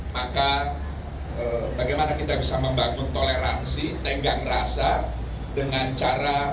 maka bagaimana kita bisa membangun toleransi tenggang rasa dengan cara